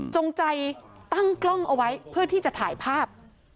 จงใจตั้งกล้องเอาไว้เพื่อที่จะถ่ายภาพ